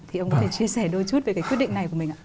thì ông có thể chia sẻ đôi chút về cái quyết định này của mình ạ